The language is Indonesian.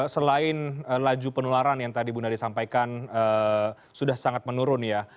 selain laju penularan yang tadi bu nadia sampaikan sudah sangat menurun ya